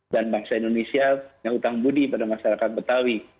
dan bangsa indonesia yang utang budi pada masyarakat betawi